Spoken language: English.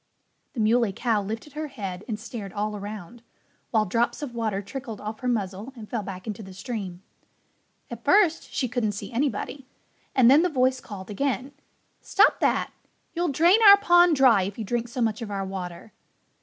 The Muley Cow lifted her head and stared all around, while drops of water trickled off her muzzle and fell back into the stream. At first she couldn't see anybody. And then the voice called again, "Stop that! You'll drain our pond dry if you drink so much of our water."